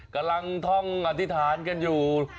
กำลังท่องอธิษฐานกันอยู่